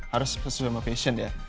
harus sesuai dengan passion ya